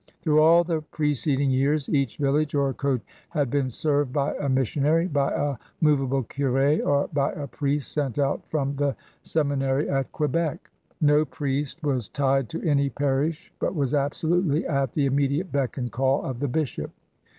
Through all the preceding years each village or cSte had been served by a missionary, by a mov able curS^ or by a priest sent out from the Semi nary at Quebec. No priest was tied to any parish but was absolutely at the immediate beck and call of the bishop.